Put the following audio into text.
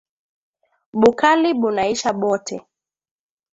Bukali bunaisha bote